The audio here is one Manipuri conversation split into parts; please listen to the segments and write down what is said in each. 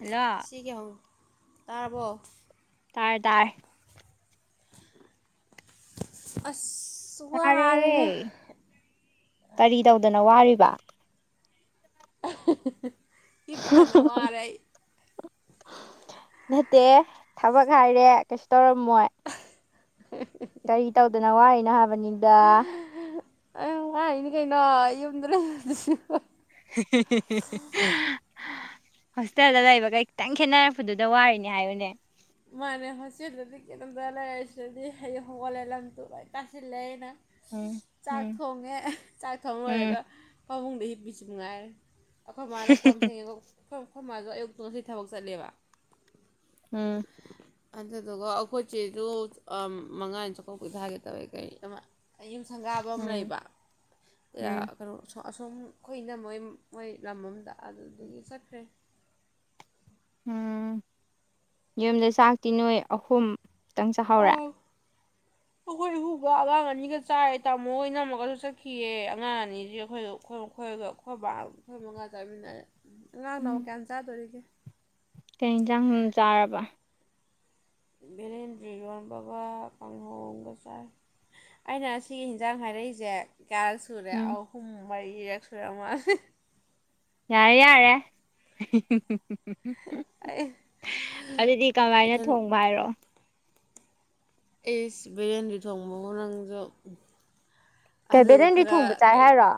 ꯍꯜꯂꯣ ꯁꯤꯒꯤ ꯍꯪ ꯇꯥꯔꯕꯣ ꯇꯔ ꯇꯔ ꯑꯁ ꯇꯥꯔꯦ ꯋꯥꯔꯦꯍꯦ ꯀꯔꯤ ꯇꯧꯗꯅ ꯋꯥꯔꯤꯕ [inaudible] ꯍꯤꯞꯇꯅ ꯋꯥꯔꯦ ꯑꯩ ꯅꯠꯇ ꯊꯕꯛ ꯍꯥꯏꯔꯦ ꯀꯩꯁꯨ ꯇꯧꯔꯝꯃꯣꯏ ꯀꯔꯤ ꯇꯧꯗꯅ ꯋꯥꯅꯣ ꯍꯥꯏꯕꯅꯤꯗ ꯑꯉꯅꯤ ꯀꯩꯅꯣ ꯌꯨꯝꯗ ꯂꯩ ꯍ ꯍꯣꯁꯇꯦꯜꯗ ꯂꯩꯕꯒꯩ ꯈꯤꯇꯪ ꯈꯦꯠꯅꯔꯛꯄꯗꯨꯗ ꯋꯥꯔꯤꯅꯦ ꯍꯥꯏꯌꯨꯅꯦ ꯃꯥꯅꯦ ꯍꯣꯁꯇꯦꯜꯗꯗꯤ ꯀꯩꯅꯝꯗ ꯂꯩꯏꯁꯤꯗꯤ ꯍꯌꯦꯌꯡ ꯀꯣꯂꯦ ꯂꯝ ꯇꯨ ꯂꯥꯏ ꯇꯥꯁꯤꯜꯂꯦ ꯑꯩꯅ ꯎꯝ ꯆꯥꯛ ꯎꯝ ꯊꯣꯡꯉꯦ ꯆꯥꯛ ꯊꯣꯡ ꯎꯝ ꯂꯣꯏꯔꯒ ꯐꯃꯨꯡꯗ ꯍꯤꯞꯄꯤꯁꯨ ꯃꯉꯥꯏꯔꯦ ꯑꯩꯈꯣꯏ ꯃꯥꯅ ꯀꯣꯝ ꯊꯦꯡꯉꯦꯒ ꯑꯩꯈ ꯑꯩꯈꯣꯏ ꯃꯥꯁꯨ ꯑꯌꯨꯛꯇ ꯉꯁꯤ ꯊꯕꯛ ꯆꯠꯂꯦꯕ ꯎꯝ ꯑꯗꯨꯗꯨꯒ ꯑꯩꯈꯣꯏꯆꯦꯁꯨ ꯃꯉꯥ ꯆꯀ ꯀ ꯊꯥꯒꯦ ꯇꯧꯋꯦ ꯀꯔꯤ ꯑꯃ ꯑꯩꯌꯨꯝ ꯁꯪꯒꯥꯕ ꯑꯃ ꯎꯝ ꯂꯩꯕ ꯎꯝ ꯀꯩꯅꯣ ꯑꯁꯨꯝ ꯀꯨꯏꯅ ꯃꯣꯏ ꯃꯣꯏ ꯂꯝ ꯑꯃꯗ ꯑꯗꯨꯗꯨꯗꯒꯤ ꯆꯠꯈ꯭ꯔꯦ ꯎꯝ ꯌꯨꯝꯗ ꯆꯥꯛꯇꯤ ꯅꯣꯏ ꯑꯍꯨꯝꯛꯇꯪ ꯆꯥꯍꯧꯔꯦ ꯎ ꯑꯩꯈꯣꯏ ꯍꯨꯕ ꯑꯉꯥꯡ ꯑꯅꯤꯒ ꯆꯥꯏꯦ ꯇꯥꯃꯣ ꯍꯣꯏ ꯅꯝꯃꯒꯁꯨ ꯆꯠꯈꯤꯑ ꯑꯉꯥꯡ ꯑꯅꯤꯁꯤ ꯑꯩꯈꯣꯏꯣꯏ ꯃꯈꯣꯏ ꯑꯗꯣ ꯑꯩꯈꯣꯏ ꯕꯥ ꯑꯩꯈꯣꯏ ꯃꯉꯥ ꯆꯥꯃꯤꯟꯅꯔꯦ ꯑꯉꯥꯡꯅ ꯎꯝ ꯑꯃꯨꯛ ꯀꯌꯥꯝ ꯆꯥꯗꯣꯔꯤꯒꯦ ꯀꯩ ꯌꯦꯟꯁꯥꯡ ꯑꯗꯨꯝ ꯆꯥꯔꯕ ꯕꯦ ꯏꯔꯣꯝꯕꯒꯥ ꯀꯪꯍꯧ ꯑꯃꯒ ꯆꯔꯦ ꯑꯩꯅ ꯁꯤꯒꯤ ꯌꯦꯟꯖꯥꯡ ꯍꯥꯏꯔꯛꯏꯁꯦ ꯀꯦꯜꯁꯨꯨꯔꯦ ꯎꯝ ꯑꯥꯎ ꯍꯨꯝꯕꯥꯥꯏ ꯏꯔꯦꯛꯁꯨꯨꯔꯦ ꯃꯥꯜ ꯌꯥꯔꯦ ꯌꯥꯔꯦ ꯎ ꯑꯩ ꯑꯗꯨꯗꯤ ꯀꯃꯥꯏꯅ ꯏꯊꯟ ꯊꯣꯡꯕ ꯍꯥꯏꯔꯣ ꯑꯦꯁ ꯕꯤꯔꯌꯥꯟꯗꯤ ꯊꯣꯡꯕꯒ ꯅꯪꯁꯨ ꯀꯦ ꯑꯂꯨ ꯕꯦꯔꯦꯟꯗꯤ ꯊꯣꯡꯕ ꯆꯥꯏ ꯍꯥꯏꯔꯣ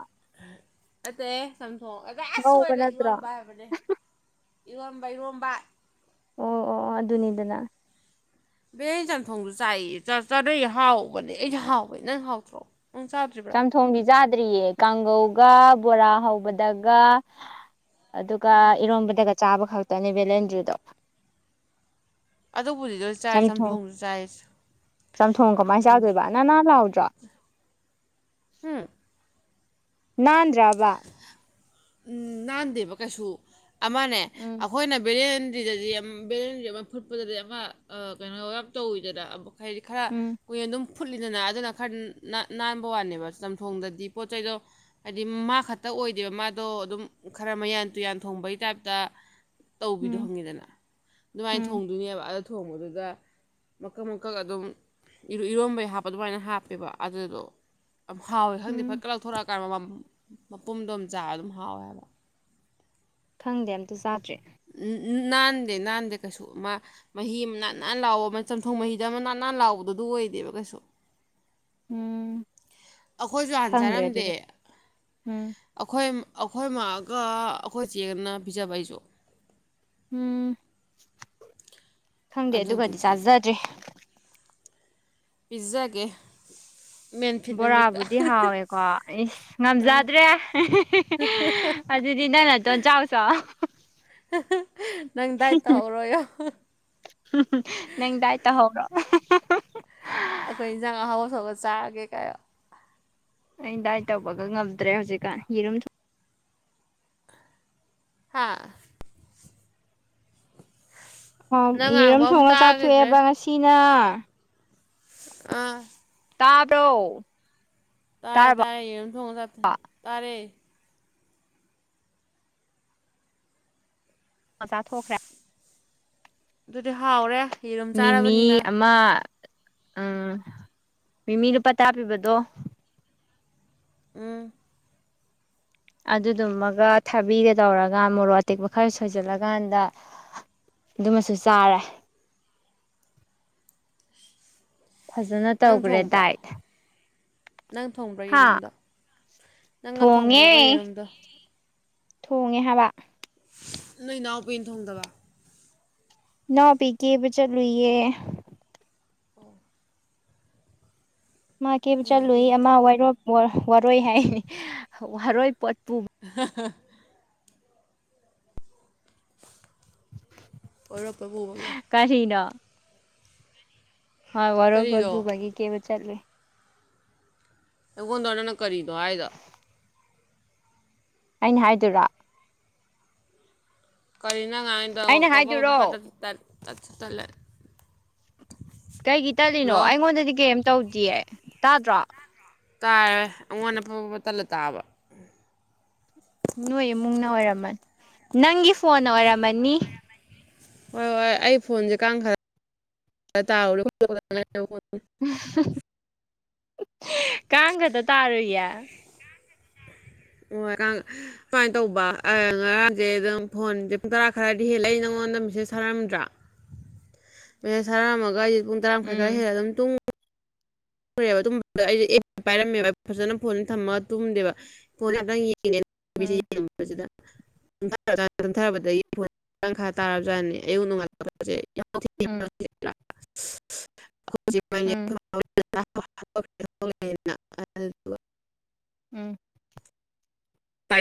ꯑꯠꯇ ꯁꯝꯊꯣꯡ ꯑ ꯉꯧꯕ ꯑꯁꯗ ꯅꯠꯇ꯭ꯔꯣ ꯏꯔꯣꯟꯝꯕ ꯍꯥꯏꯕꯅꯦ ꯏꯔꯣꯟꯝꯕ ꯏꯔꯣꯝꯕ ꯑꯣ ꯑꯣ ꯑꯣ ꯑꯗꯨꯅꯤꯗꯅ ꯕ ꯆꯟꯊꯣꯡꯗꯨ ꯆꯥꯏ ꯆ ꯆꯥꯅꯩ ꯍꯥꯎꯕꯅꯦ ꯑꯩꯁꯨ ꯍꯥꯎꯕꯦ ꯅꯪ ꯍꯥꯎꯇ꯭ꯔꯣ ꯅꯪ ꯆꯥꯗ꯭ꯔꯤꯕ꯭ꯔꯥ ꯆꯝꯊꯣꯡꯕꯤ ꯆꯥꯗ꯭ꯔꯤꯌꯦ ꯀꯥꯡꯒꯧꯒ ꯕꯣꯔꯥ ꯍꯧꯕꯗꯒ ꯑꯗꯨꯒ ꯏꯔꯣꯝꯕꯗꯒ ꯆꯥꯕ ꯈꯛꯇꯅꯤ ꯕꯦꯂꯦꯟꯗ꯭ꯔꯤꯗꯣ ꯑꯗꯨꯕꯨꯗꯤ ꯂꯣꯏ ꯆꯥꯏ ꯆꯝꯊꯣꯡ ꯆꯝꯊꯣꯡꯖꯨ ꯆꯥꯏꯁ ꯆꯝꯊꯣꯡꯁꯨ ꯆꯥꯛ [inaudible] ꯍꯨꯝ ꯅꯥꯟꯗ꯭ꯔꯕ ꯎꯝ ꯅꯥꯟꯗꯦꯕ ꯀꯩꯁꯨ ꯑꯃꯅꯦ ꯎꯝ ꯑꯩꯈꯣꯏꯅ ꯕꯦꯔꯦ ꯑꯗꯨꯗꯥꯗꯤ ꯌꯥꯝ ꯕꯦꯂꯦꯟꯗꯔ꯭ꯤ ꯑꯃ ꯐꯨꯠꯄꯗꯗꯤ ꯑꯃ ꯑꯥ ꯀꯩꯅꯣ ꯌꯥꯝ ꯇꯧꯋꯤꯗꯅ ꯑꯃ ꯍꯥꯏꯗꯤ ꯈꯔꯥ ꯎꯝ ꯀꯨꯏꯅ ꯑꯗꯨꯝ ꯐꯨꯠꯂꯤꯗꯅꯥ ꯑꯗꯨꯅ ꯈꯔ ꯅꯥ ꯅꯥꯟꯕ ꯋꯥꯅꯦꯕ ꯆꯝꯊꯣꯡꯗꯗꯤ ꯄꯣꯠ ꯆꯩꯗꯣ ꯍꯥꯏꯗꯤ ꯃꯥ ꯈꯛꯇ ꯑꯣꯏꯗꯦꯕ ꯃꯥꯗꯣ ꯑꯗꯨꯝ ꯈꯔ ꯃꯌꯥꯟ ꯇꯨꯌꯥꯟ ꯊꯣꯡꯕꯩ ꯇꯥꯏꯞꯇꯥ ꯇꯧꯕꯤꯗꯣ ꯎꯝ ꯈꯪꯉꯤꯗꯅ ꯑꯗꯨꯃꯥꯏꯅ ꯎꯝ ꯊꯣꯡꯗꯣꯏꯅꯦꯕ ꯑꯗ ꯊꯣꯡꯕꯗꯨꯗ ꯃꯀꯛ ꯃꯀꯛ ꯑꯗꯨꯝ ꯏꯔ‌ꯣ ꯏꯔꯣꯝꯕꯩ ꯍꯥꯞꯄ ꯑꯗꯨꯃꯥꯏꯅ ꯍꯥꯞꯄꯦꯕ ꯑꯗꯨꯗꯣ ꯍꯥꯎꯋꯦ ꯈꯪꯗꯦ ꯐꯠ ꯎꯝ ꯂꯧꯊꯣꯔꯛꯑꯀꯥꯟꯗ ꯃꯃ ꯃꯄꯨꯝꯗꯣꯝ ꯆꯥ ꯑꯗꯨꯝ ꯍꯥꯎꯋꯦ ꯍꯥꯏꯕ ꯈꯪꯗꯦ ꯑꯝꯇ ꯆꯥꯗ꯭ꯔꯤ ꯅꯥꯟꯗꯦ ꯅꯥꯟꯗꯦ ꯀꯩꯁꯨ ꯑꯃ ꯃꯍꯤ ꯃ ꯅꯥꯟ ꯅꯥꯟ ꯂꯥꯕ ꯑꯃ ꯆꯝꯊꯣꯡ ꯃꯍꯤꯗ ꯑꯃ ꯅꯥꯟ ꯅꯥꯟ ꯂꯥꯎꯕꯗꯨ ꯑꯗꯨ ꯑꯣꯏꯗꯦꯕ ꯀꯩꯁꯨ ꯎꯝ ꯑꯈꯣꯏꯁꯨ ꯍꯥꯟꯅ ꯈꯪꯗ꯭ꯔꯦ ꯆꯥꯔꯝꯗꯦ ꯑꯗꯨꯒ ꯎꯝ ꯑꯈꯣꯏ ꯑꯩꯈꯣꯏ ꯃꯥꯒ ꯑꯩꯈꯣꯏ ꯆꯦꯒꯅ ꯄꯤꯖꯕ ꯑꯩꯖꯨ ꯎꯝ ꯈꯪꯗꯦ ꯑꯗꯨꯒꯗꯤ ꯑꯗꯨꯗꯨꯒꯤ ꯆꯥꯖꯗ꯭ꯔꯤ ꯄꯤꯖꯥꯒꯦ ꯕꯣꯔꯥꯕꯨꯗꯤ ꯍꯥꯎꯋꯦꯀꯣ ꯏꯁ ꯉꯝꯖꯗ꯭ꯔꯦ ꯑꯗꯨꯗꯤ ꯅꯪ ꯅꯇꯣꯟ ꯆꯥꯎꯆꯣ ꯅꯪ ꯗꯥꯏꯠ ꯍꯨꯝ ꯇꯧꯍꯧꯔꯣꯌꯣ ꯍꯨꯝ ꯍꯨꯝ ꯅꯪ ꯗꯥꯏꯠ ꯇꯧꯍꯧꯔꯣ ꯑꯈꯣꯏ ꯏꯟꯁꯥꯡ ꯑꯍꯥꯎꯕ ꯊꯣꯡꯉ ꯆꯔꯒꯦ ꯀꯩꯅꯣ ꯑꯩ ꯗꯥꯏꯠ ꯇꯧꯕꯒ ꯉꯝꯗ꯭ꯔꯦ ꯍꯧꯖꯤꯛꯀꯥꯟ ꯌꯦꯔꯨꯝꯊꯨ ꯍꯥꯥ ꯑꯥꯝ ꯅꯪ ꯌꯦꯔꯨꯝ ꯉꯥꯡꯕ ꯑꯃ ꯊꯣꯡꯉ ꯇꯥꯈꯤꯗ꯭ꯔꯦ ꯆꯥꯊꯣꯛꯑꯦꯕ ꯉꯁꯤꯅ ꯑꯥ ꯇꯥꯕ꯭ꯔꯣ ꯇꯥꯏ ꯇꯥꯔꯕꯣ ꯇꯥꯏ ꯌꯦꯔꯨꯝ ꯊꯣꯡꯉ ꯆꯥꯊꯣꯛ ꯇꯥꯔꯦ ꯆꯥꯥꯊꯣꯛꯈ꯭ꯔꯦ ꯑꯗꯨꯗꯤ ꯍꯥꯎꯔꯦ ꯌꯦꯔꯨꯝ ꯃꯤꯃꯤ ꯆꯥꯔꯕꯅꯤꯅ ꯑꯃ ꯎꯝ ꯃꯤꯃꯤ ꯂꯨꯄꯥ ꯇꯥꯔꯥ ꯄꯤꯕꯗꯣ ꯎꯝ ꯑꯗꯨꯗꯨꯃꯒ ꯊꯕꯤꯒ ꯇꯧꯔꯒ ꯃꯣꯔꯣꯛ ꯑꯇꯦꯛꯄ ꯈꯔ ꯁꯣꯏꯖꯤꯜꯂꯀꯥꯟꯛꯛꯗ ꯑꯗꯨꯃꯁꯨ ꯆꯥꯔꯦ [inaudible] ꯐꯖꯅ ꯅꯪ ꯇꯧꯒꯔꯦ ꯊꯣꯡꯕ꯭ꯔꯥ ꯗꯥꯏꯠ ꯅꯪ ꯊꯣꯡꯕ꯭ꯔꯥ ꯍꯥ ꯌꯦꯔꯨꯝꯗꯣ ꯅꯪꯅ ꯊꯣꯡꯉꯦ ꯊꯣꯡꯕ꯭ꯔꯣꯕ ꯌꯦꯔꯨꯝꯗꯣ ꯊꯣꯡꯉꯦ ꯍꯥꯏꯕ ꯅꯣꯏ ꯅꯥꯎꯄꯤꯅ ꯊꯣꯡꯗꯕ ꯏꯅꯥꯎꯄꯤ ꯀꯦꯕ ꯆꯠꯂꯨꯏꯌꯦ ꯑꯣ ꯃꯥ ꯀꯦꯕ ꯅꯣꯏ ꯏꯅꯥꯎꯄꯤ ꯆꯠꯂꯨꯏ ꯑꯃ ꯋꯥꯔꯣꯏꯄꯣꯠ ꯋꯥꯔꯣꯏ ꯍꯥꯏ ꯋꯥꯔꯣꯏ ꯄꯣꯠ ꯄꯨꯕ [inaudible] ꯋꯔꯣꯏꯄꯣꯠ ꯄꯨꯕꯒꯤ ꯑꯥꯎ ꯋꯥꯔꯣꯏꯄꯣꯠ ꯀꯔꯤꯗꯣ ꯄꯨꯕꯒꯤ ꯀꯦꯕꯥ ꯆꯠꯂꯨꯏ ꯑꯩꯉꯣꯟꯗ ꯅꯪꯅ ꯀꯔꯤꯅꯣ ꯍꯥꯏꯗꯣ ꯑꯩꯅ ꯍꯥꯏꯗꯔꯥ ꯑꯩꯅ ꯀꯔꯤꯅꯉꯥꯏꯗꯣꯣꯕꯕ ꯍꯥꯏꯗꯨꯔꯣ ꯇꯁꯨ ꯇꯠꯂꯦ ꯀꯩꯒꯤ ꯇꯠꯂꯤꯅꯣ ꯍꯜꯂꯣ ꯑꯩꯉꯣꯟꯗꯗꯤ ꯀꯔꯤꯝ ꯇꯧꯗꯌꯦ ꯇꯥꯗ꯭ꯔꯣ ꯀꯥꯔꯦ ꯑꯩꯉꯣꯟ ꯑꯐꯕ ꯇꯜꯂ ꯇꯥꯕ ꯅꯣꯏ ꯏꯃꯨꯡꯅ ꯑꯣꯏꯔꯝꯃꯅꯤ ꯅꯪꯒꯤ ꯐꯣꯟꯅ ꯑꯣꯏꯔꯝꯃꯅꯤ ꯍꯣꯏ ꯍꯣꯏ ꯑꯩ ꯐꯣꯟꯁꯦ ꯀꯥꯡ ꯈꯔ ꯇꯥ ꯎꯝ ꯀꯥꯡꯒꯗ ꯇꯥꯔꯨ ꯌꯥ ꯍꯀ ꯁꯨꯃꯥꯏꯅ ꯇꯧꯕ ꯉꯔꯥꯡꯁꯦ ꯑꯗꯨꯝ ꯐꯣꯟꯁꯦ ꯄꯨꯡ ꯇꯔꯥ ꯈꯔꯗꯤ ꯍꯦꯜꯂꯛꯏꯉꯣꯟ ꯑꯩꯉꯣꯟꯗ ꯃꯦꯁꯦꯖ ꯊꯥꯔꯝꯗ꯭ꯔꯥ ꯃꯦꯁꯦꯖ ꯊꯥꯔꯝꯃꯒ ꯍꯥꯏꯗꯤ ꯄꯨꯡ ꯇꯔꯥ ꯃꯈꯥꯏ ꯎꯝ ꯈꯔ ꯍꯦꯂ ꯑꯗꯨꯝꯨꯡ ꯦ ꯑꯩ ꯄꯥꯏꯔꯝꯃꯦꯕ ꯐꯖꯅ ꯐꯣꯟ ꯊꯝꯃꯒ ꯇꯨꯝꯗꯦꯕ ꯐꯣꯟꯦ ꯑ ꯎꯝ ꯗ ꯔꯕꯗ ꯇꯈꯥ ꯇꯥꯔꯕꯖꯥꯠꯅꯤ ꯑꯌꯨꯛ ꯅꯣꯡꯉꯜ ꯎꯝ ꯎꯝ [unintelligible] ꯜ ꯎꯝ ꯅ ꯑ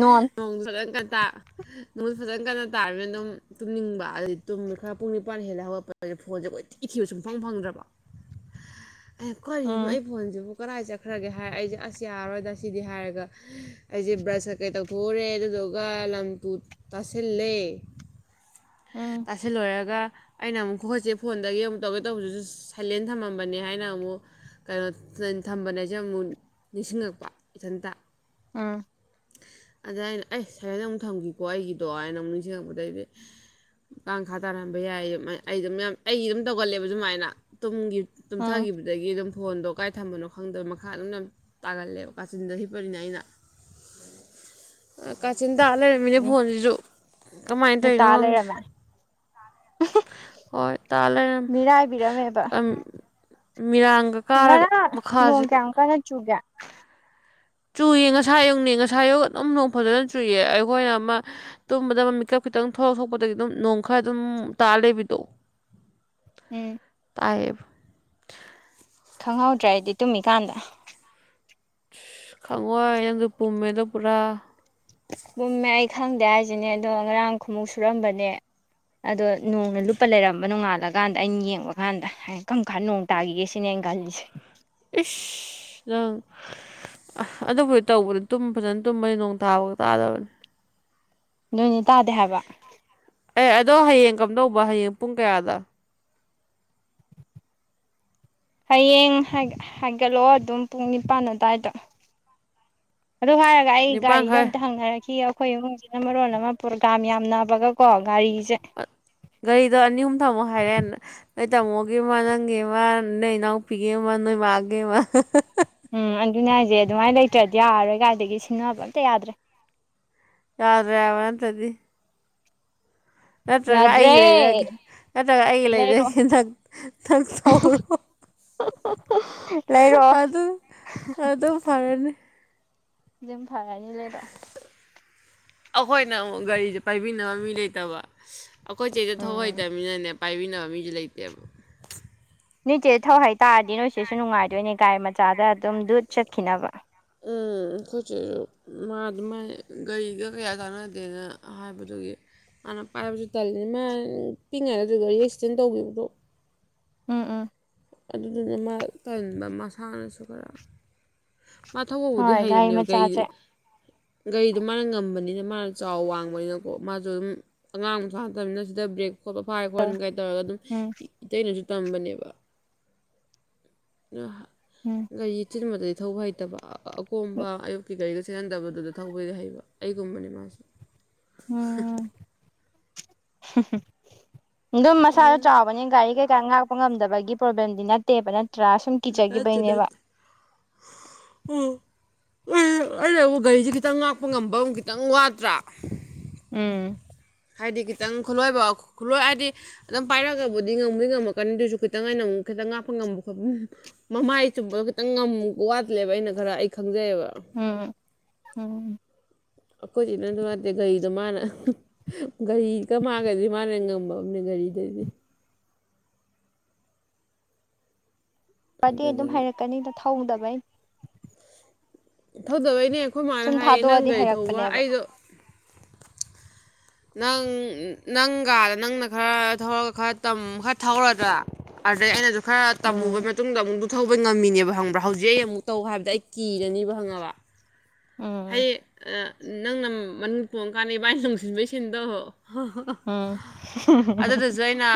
ꯅꯣꯟ ꯣꯡ ꯁ ꯅꯉꯣꯟꯠ ꯐꯖꯅ ꯀꯟꯅ ꯇꯥꯔꯅꯤꯅ ꯑꯗꯨꯝ ꯇꯨꯝꯅꯤꯡꯕ ꯑꯗꯨꯗꯤ ꯇꯨꯝꯃꯦ ꯈꯔ ꯄꯨꯡ ꯅꯤꯄꯥꯟ ꯍꯦꯜꯂ ꯍꯧꯒꯠꯄ ꯤ ꯁꯨꯝꯪ ꯐꯪꯗ꯭ꯔꯕ ꯎꯝ ꯀꯅꯣ ꯑꯗꯨꯕꯨ ꯀꯗꯥꯏ ꯆꯠꯈ꯭ꯔꯒꯦ ꯍꯥꯏꯔ ꯑꯩꯁꯦ ꯑꯁ ꯌꯥꯔꯔꯣꯏꯗ ꯁꯤꯗꯤ ꯍꯥꯏꯔꯒ ꯑꯩꯁꯦ ꯕ꯭ꯔꯁ ꯀꯩ ꯇꯧꯊꯣꯛꯎꯔꯦ ꯑꯗꯨꯗꯨꯒ ꯂꯝꯕꯨꯨ ꯇꯁꯤꯜꯂꯦ ꯎꯝ ꯇꯁꯤꯜꯂꯣꯏꯔꯒ ꯑꯩꯅ ꯑꯃꯨꯛ ꯈꯣꯍꯠꯁꯦ ꯐꯣꯟꯗꯒꯤ ꯑꯃꯨꯛ ꯇꯧꯒꯦ ꯇꯧꯕꯗꯨꯁꯨ ꯁꯥꯏꯂꯦꯟ ꯊꯝꯃꯝꯕꯅꯦ ꯍꯥꯏꯅ ꯑꯃꯨꯛ ꯀꯩꯅꯣ ꯊꯝꯕꯅꯁꯦ ꯑꯃꯨꯛ ꯅꯤꯡꯁꯤꯡꯉꯛꯄ ꯏꯊꯟꯇ ꯎꯝ ꯑꯗ ꯑꯩꯅ ꯑꯩ ꯁꯥꯏꯀꯗ ꯑꯃꯨꯛ ꯊꯝꯈꯤꯀꯣ ꯑꯩꯒꯤꯗꯣ ꯑꯩꯅ ꯑꯃꯨꯛ ꯅꯤꯡꯁꯤꯡꯉꯛꯄꯗꯩꯗꯤ ꯀꯥꯡꯥꯡꯈꯥ ꯇꯥꯔꯍꯟꯝꯕ ꯌꯥꯏ ꯑꯩ ꯑꯗꯨꯝ ꯑꯩꯒꯤ ꯑꯗꯨꯝ ꯇꯧꯒꯜꯂꯦꯕ ꯁꯨꯃꯥꯏꯅ ꯇꯨꯡꯒꯤ ꯎꯝ ꯇꯨꯝꯊꯈꯤꯕꯗꯒꯤ ꯑꯗꯨꯝ ꯐꯣꯟꯗꯣ ꯀꯥꯏ ꯊꯝꯕꯅꯣ ꯈꯪꯗꯕ ꯃꯈꯥ ꯑꯗꯨꯝꯅ ꯇꯥꯒꯜꯂꯦꯕ ꯀꯥꯆꯤꯟꯗ ꯍꯤꯞꯄꯅꯤꯅ ꯑꯩꯅ ꯀꯆꯤꯟ ꯇꯥ ꯂꯩꯔꯃꯤꯅꯦ ꯐꯣꯟꯁꯨ ꯀꯃꯥꯏꯅ ꯅꯤ ꯇꯧꯔꯤꯅꯣ ꯇꯥ ꯈꯪꯗ꯭ꯔꯦ ꯂꯩꯔꯝꯃꯦ ꯍꯣꯏ ꯇꯥꯂꯦ ꯃꯤꯔꯥꯏꯕꯤꯔꯝꯃꯦꯕ ꯑ ꯉꯔꯥꯡ ꯅꯣꯡ ꯀꯌꯥꯨꯛ ꯀꯟꯅ ꯆꯨꯒꯦ ꯆꯨꯏ ꯉꯁꯥ ꯌꯨꯛꯅꯦ ꯉꯁꯥ ꯌꯌꯨ ꯑꯗꯨꯝ ꯅꯣꯡ ꯐꯖꯅ ꯆꯨꯏ ꯑꯩꯈꯣꯏꯅ ꯑꯃ ꯇꯨꯝꯕꯗ ꯑꯃ ꯃꯤꯀꯞ ꯈꯤꯇꯪ ꯊꯂꯛ ꯊꯣꯛꯄꯗꯒꯤ ꯑꯗꯨꯝ ꯅꯣꯡ ꯈꯔ ꯑꯗꯨꯝ ꯇꯥ ꯂꯩꯕꯤꯗꯣ ꯎꯝ ꯑꯌꯦꯕ ꯈꯪꯍꯧꯗ꯭ꯔ ꯍꯥꯏꯗꯤ ꯇꯨꯝꯃꯤꯀꯥꯟꯗ ꯑ ꯈꯪꯋꯥꯏ ꯅꯪꯗꯣ ꯄꯨꯝꯃꯦꯗꯣ ꯄꯨꯔꯥ ꯃꯨꯝꯃꯦ ꯑꯩ ꯈꯪꯗꯦ ꯍꯥꯏꯁꯤꯅꯦ ꯑꯗꯣ ꯉꯔꯥꯡ ꯈꯃꯨꯛ ꯁꯨꯔꯝꯕꯅꯦ ꯑꯗꯣ ꯅꯣꯡꯅ ꯂꯨꯞꯄ ꯂꯩꯔꯝꯕ ꯅꯣꯡꯉꯥꯜꯂꯀꯥꯟꯗ ꯑꯩꯅ ꯌꯦꯡꯕ ꯀꯥꯟꯗ ꯀꯔꯝ ꯈꯥꯟ ꯅꯣꯡ ꯇꯥꯈꯤꯒꯦ ꯁꯤꯅꯦ ꯁ ꯑ ꯑ ꯑꯗꯨꯕꯨꯗꯤ ꯇꯧꯕꯅꯤꯨꯝ ꯐꯖꯅ ꯇꯨꯝꯕꯅꯤ ꯅꯣꯡ ꯊꯥꯕ ꯇꯥꯗꯕꯅꯤ ꯅꯣꯏꯅꯦ ꯇꯥꯗꯦ ꯍꯥꯏꯕ ꯑꯦ ꯑꯗꯣ ꯍꯌꯦꯡ ꯀꯝꯗꯧꯕ ꯍꯌꯦꯡ ꯄꯨꯡ ꯀꯌꯥꯗ [unintelligible] ꯍꯌꯦꯡ ꯍꯥꯏꯒꯠꯂꯑꯣ ꯑꯗꯨꯝ ꯄꯨꯡ ꯅꯤꯄꯥꯟ ꯑꯗꯨꯋꯥꯏꯗ [unintelligible] ꯑꯗꯨꯗ ꯍꯥꯏꯔꯒ ꯑꯩ ꯒꯥꯔꯤꯗꯣ ꯅꯤꯄꯥꯟꯈꯩ ꯑꯝꯇ ꯍꯪꯅꯔꯛꯈꯤ ꯑꯩꯈꯣꯏ ꯏꯃꯨꯡꯁꯤꯅ ꯃꯔꯣꯟꯜ ꯑꯃ ꯄ꯭ꯔꯣꯒꯥ꯭ꯔꯥꯝ ꯌꯥꯝꯅꯕꯒꯀꯣ ꯒꯥꯔꯤꯁꯦ ꯒꯥꯔꯤꯗꯣ ꯑꯅꯤ ꯑꯍꯨꯝ ꯊꯝꯃꯣ ꯍꯥꯏꯔꯛꯦ ꯅꯣꯏ ꯇꯥꯃꯣꯒꯤꯃ ꯅꯪꯒꯤꯃ ꯅꯣꯏ ꯏꯅꯥꯎꯄꯤꯒꯤꯃ ꯃꯥꯒꯦ ꯃꯥ ꯎꯝ ꯑꯗꯨꯅꯦ ꯍꯥꯏꯁꯦ ꯑꯗꯨꯃꯥꯏꯅ ꯂꯩꯇ꯭ꯔꯗꯤ ꯌꯥꯔꯔꯣꯏ ꯀꯥꯏꯗꯒꯤ ꯁꯤꯡꯟꯅꯕ ꯑꯝꯇ ꯌꯥꯗ꯭ꯔꯦ ꯌꯥꯔ ꯔꯦꯕ ꯇꯗꯤ ꯅꯠꯇ꯭ꯔꯒ ꯌꯥꯗ꯭ꯔꯦ ꯑꯩꯂꯗꯒꯦ ꯅꯠꯇ꯭ꯔꯒ ꯑꯩꯒꯤ ꯂꯩꯗ ꯂꯩꯔꯛꯑꯣ ꯍꯊꯛ ꯇꯧꯔꯣ ꯂꯩꯔꯛꯑꯣ ꯑꯗꯨ ꯑꯗꯨ ꯑꯗꯨ ꯑꯗꯨ ꯐꯔꯅꯤ ꯑꯗꯨꯝ ꯐꯔꯅꯤ ꯂꯩꯔꯣ ꯑꯩꯈꯣꯏꯅ ꯑꯃꯨꯛ ꯒꯥꯔꯤꯁꯦ ꯄꯥꯏꯕꯤꯅꯕ ꯃꯤ ꯂꯩꯇꯕ ꯑꯩꯈꯣꯏꯇꯩꯦꯗ ꯊꯧ ꯎꯝ ꯍꯩꯇꯕꯅꯤꯅꯅꯦ ꯄꯥꯏꯕꯤꯅꯕ ꯃꯤꯁꯨꯦ ꯂꯩꯇꯦꯕ ꯅꯣꯏꯆꯦ ꯊꯧꯍꯩꯇꯥꯔꯗꯤ ꯅꯣꯏꯁꯦꯁꯨ ꯅꯨꯡꯉꯥꯏꯗꯣꯏꯅꯦ ꯒꯥꯔꯤ ꯃꯆꯥꯗ ꯑꯗꯨꯝ ꯗꯨꯠ ꯆꯠꯈꯤꯅꯕ ꯎꯝ ꯑꯩꯈꯣꯏꯁꯦ ꯃꯥ ꯑꯗꯨꯃꯥꯏꯅ ꯒꯥꯔꯤꯒ ꯀꯌꯥ ꯇꯥꯟꯅꯗꯦꯅ ꯍꯥꯏꯕꯗꯨꯒꯤ ꯍꯥꯟꯅ ꯄꯥꯏꯕꯁꯨ ꯇꯜꯂꯤꯅꯤ ꯃꯥ ꯄꯤꯛꯉꯥꯏꯗ ꯑꯗꯨ ꯒꯥꯔꯤ ꯑꯦꯛꯁꯤꯗꯦꯟ ꯇꯧꯕꯤꯕꯗꯣ ꯎꯝ ꯎꯝ ꯑꯗꯨꯗꯨꯅ ꯃꯥ ꯀꯟꯕ ꯃꯁꯥꯅꯁꯨ ꯈꯔ ꯃꯥ ꯊ ꯍꯧꯕꯗꯤ ꯍꯣꯏ ꯒꯥꯔꯤ ꯍꯩꯔꯕꯝꯅꯦꯕ ꯀꯩꯗꯨ ꯃꯆꯥꯁꯦ ꯒꯥꯔꯤꯗꯣ ꯃꯥꯅ ꯉꯝꯕꯅꯤꯅ ꯃꯥꯅ ꯆꯥꯎ ꯋꯥꯡꯕꯅꯤꯅꯀꯣ ꯃꯥꯁꯨ ꯑꯗꯨꯝ ꯑꯉꯥꯡꯁꯨꯉꯠꯇꯕꯅꯤꯅ ꯁꯤꯗ ꯕ꯭ꯔꯦꯛ ꯈꯣꯠꯄ ꯐꯥꯏ ꯈꯣꯠꯅ ꯀꯥꯏꯅ ꯇꯧꯔꯒ ꯑꯗꯨꯝ ꯎꯝ ꯏꯇꯩꯩꯅꯁꯨ ꯇꯝꯕꯅꯦꯕ [unintelligible] ꯎꯝ ꯒꯥꯔꯤ ꯆꯤꯟꯕꯗꯗꯤ ꯊꯧꯕ ꯍꯩꯇꯕ ꯑꯀꯣꯝꯕ ꯑꯌꯨꯛꯀꯤ ꯒꯥꯔꯤꯒ ꯁꯤꯍꯟꯗꯕꯗꯨꯗ ꯊꯧꯕꯗꯤ ꯍꯩꯕ ꯑꯩꯒꯨꯝꯕꯅꯤ ꯃꯥꯁꯨ ꯍ ꯑꯗꯨꯝ ꯃꯁꯥꯁꯨ ꯑꯗꯨꯅ ꯆꯥꯎꯕꯅꯤ ꯒꯥꯔꯤ ꯀꯩꯀꯥ ꯉꯥꯛꯄ ꯉꯝꯗꯕꯒꯤ ꯄ꯭ꯔꯣꯕ꯭ꯂꯦꯝꯗꯤ ꯅꯠꯇꯦꯕ ꯅ ꯇꯔꯥ ꯁꯨꯝ ꯅꯠꯇꯦ ꯀꯤꯖꯈꯤꯕꯩꯅꯦꯕ ꯅꯠꯇꯦ ꯎ ꯑꯩꯩꯅꯕꯨ ꯒꯥꯔꯤꯁꯦ ꯈꯤꯇꯪ ꯉꯥꯛꯄ ꯉꯝꯕ ꯑꯃꯨ ꯈꯤꯇꯪ ꯋꯥꯠꯇ꯭ꯔꯥ ꯎꯝ ꯍꯥꯏꯗꯤ ꯈꯤꯇꯪ ꯈꯨꯠꯂꯣꯏꯕ ꯈꯨꯠꯂꯣꯏ ꯍꯥꯏꯗꯤ ꯑꯗꯨꯝ ꯄꯥꯏꯔꯒꯕꯨꯗꯤ ꯉꯝꯃꯣꯏ ꯉꯝꯃꯛꯀꯅꯤ ꯑꯗꯨꯁꯨ ꯈꯤꯇꯪ ꯑꯩꯅ ꯑꯃꯨꯛ ꯈꯤꯇꯪ ꯉꯥꯞꯄ ꯉꯝꯕ ꯈꯣꯠꯄ ꯃꯃꯥꯏ ꯆꯨꯝꯕꯗꯣ ꯈꯤꯇꯪ ꯉꯝ ꯋꯥꯠꯂꯦꯕ ꯑꯩꯅ ꯈꯔ ꯈ ꯎꯝ ꯎꯝ ꯑꯩꯈꯣꯏꯗꯤ ꯅ ꯑꯗꯨ ꯑꯗꯤꯩꯗ ꯃꯥꯅ ꯒꯥꯔꯤꯒ ꯃꯥꯥꯟꯒꯗꯤ ꯃꯥꯅ ꯉꯝꯕ ꯑꯃꯅꯦ ꯒꯥꯔꯤꯗꯩꯗꯤ ꯐꯗꯤ ꯑꯗꯨꯝ ꯑꯗꯨꯗꯨꯅ ꯍꯥꯏꯔꯛꯀꯅꯤꯗ ꯊꯧꯗꯕꯩꯩꯅ ꯊꯧꯗꯕꯩꯅꯦ ꯑꯩꯈꯣꯏ ꯃꯥꯅ ꯁꯨꯝ ꯍꯥꯏꯌꯦ ꯅꯪ ꯊꯥꯗꯣꯛꯑꯗꯤ ꯒꯥꯔꯤ ꯊꯧꯕ ꯍꯩꯔꯛꯄꯅꯦꯕ ꯑꯩꯗꯣ ꯅꯪ ꯅꯪꯒꯗ ꯅꯪꯅ ꯈꯔ ꯊꯧꯔꯒ ꯈꯔ ꯈꯔ ꯊꯧꯔꯗ꯭ꯔꯥ ꯑꯗꯩ ꯑꯩꯅꯁꯨ ꯈꯔ ꯎꯝ ꯇꯝꯃꯨꯕ ꯃꯇꯨꯡꯗ ꯑꯃꯨꯛ ꯊꯧꯕ ꯉꯝꯃꯤꯅꯦꯕ ꯈꯪꯕ꯭ꯔꯥ ꯍꯧꯖꯤꯛ ꯑꯩ ꯑꯃꯨꯛ ꯇꯧ ꯍꯥꯏꯕꯗ ꯑꯩ ꯀꯤꯔꯅꯤꯕ ꯍꯪꯉꯕ ꯎꯝ ꯍꯌꯦ ꯅꯪꯅ ꯃꯅꯨꯡꯅꯤꯡ ꯇꯣꯡꯉꯀꯥꯟꯗ ꯚꯕꯥ ꯑꯩꯅ ꯂꯣꯡꯁꯤꯟꯕꯩ ꯁꯤꯟꯗꯧꯍꯣ ꯎꯝ ꯑꯗꯨꯗꯨꯁꯨ ꯑꯩꯅ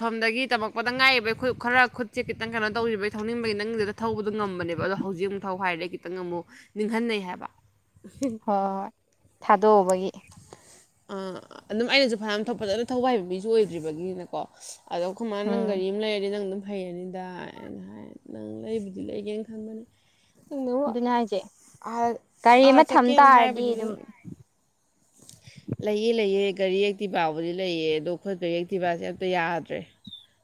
ꯁꯣꯝꯗꯒꯤ ꯇꯝꯃꯛꯄꯗ ꯉꯥꯏꯕ ꯈꯨꯠ ꯈꯔ ꯈꯨꯠꯁꯦ ꯈꯤꯇꯪ ꯀꯩꯅꯣ ꯇꯧꯔꯤꯕꯩ ꯊꯧꯅꯤꯡꯕꯒꯤ ꯅꯪꯗꯨꯗ ꯊꯧꯕꯗꯨꯗꯣ ꯉꯝꯕꯅꯦꯕ ꯑꯗꯣ ꯍꯧꯖꯤꯛ ꯑꯃꯨꯛ ꯊꯧ ꯍꯥꯏꯔꯗꯤꯩ ꯈꯤꯇꯪ ꯑꯃꯨꯛ ꯅꯤꯡꯍꯟꯅꯩ ꯍꯥꯏꯕ ꯍꯣꯏ ꯊꯥꯗꯣꯛꯎꯕꯒꯤ ꯑꯥ ꯑꯗꯨꯝ ꯑꯩꯅꯁꯨ ꯐꯌꯥꯝꯄꯖꯅ ꯊꯧꯕꯏ ꯍꯥꯏꯕ ꯃꯤꯁꯨ ꯑꯣꯏꯗ꯭ꯔꯤꯕꯒꯤꯅꯀꯣ ꯑꯗꯣ ꯀꯃꯥꯏꯅ ꯅꯪ ꯎꯝ ꯒꯥꯔꯤ ꯑꯃ ꯂꯩꯔꯗꯤ ꯅꯪ ꯑꯗꯨꯝ ꯍꯩꯔꯅꯤꯗꯥꯏꯅ ꯍꯥꯏ ꯅꯪ ꯂꯩꯕꯨꯗꯤ ꯂꯩꯒꯦꯅ ꯈꯟꯕꯅꯤ ꯑꯗꯨꯅꯦ ꯍꯥꯏꯁꯦ ꯅ ꯒꯥꯔꯤ ꯑꯥ ꯑꯃ ꯊꯝ ꯆꯠꯀꯦꯅ ꯇꯥꯔꯗꯤ ꯍꯥꯏꯕꯗꯨꯁꯨ ꯑꯗꯨꯝ ꯂꯩꯌꯦ ꯂꯩ ꯒꯥꯔꯤ ꯌꯦꯛꯇꯤꯚꯕꯨꯗꯤ ꯂꯩꯌꯦꯦ ꯑꯗꯣ ꯈꯣꯄ ꯌꯦꯛꯇꯤꯚꯁꯦ ꯑꯝꯇ ꯌꯥꯗ꯭ꯔꯦ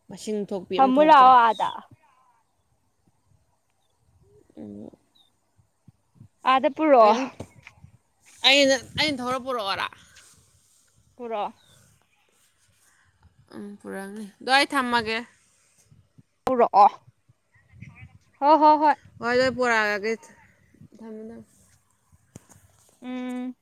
ꯃꯁꯤꯡ ꯊꯣꯛꯄꯤ ꯑꯃ ꯊꯣꯛꯇ꯭ꯔꯦ ꯊꯃꯨꯂꯑꯣ ꯑꯗ ꯑ ꯑꯗ ꯄꯨꯔꯣ ꯑꯩꯅ ꯑꯩꯅ ꯊꯧꯔ ꯄꯣꯔꯛꯑꯣꯔꯥ ꯄꯨꯔꯛꯑꯣ ꯎꯝ ꯄꯨꯔꯛꯅꯤ ꯑꯗꯨ ꯑꯩ ꯊꯝꯃꯒꯦ ꯄꯨꯔꯛꯑꯣ ꯍꯣ ꯍꯣꯏ ꯍꯣꯏ ꯂꯣꯏ ꯄꯨꯔꯛꯑꯒꯦ ꯊꯝꯃꯦ ꯊꯝꯃꯦ ꯎꯝ